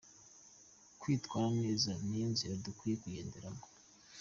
Kwitwara neza niyo nzira dukwiye kugenderamo.